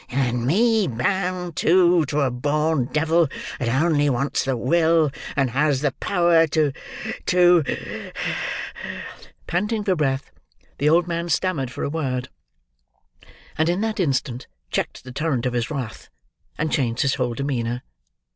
And me bound, too, to a born devil that only wants the will, and has the power to, to—" Panting for breath, the old man stammered for a word; and in that instant checked the torrent of his wrath, and changed his whole demeanour.